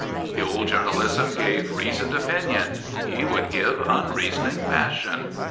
The old journalism gave reasoned opinion; he would give unreasoning passion.